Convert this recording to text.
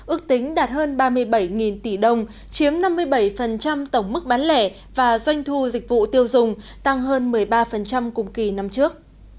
ước tính đạt hơn ba mươi bảy tỷ đồng chiếm năm mươi bảy tổng mức bán lẻ và doanh thu dịch vụ tiêu dùng tăng hơn một mươi ba cùng kỳ năm trước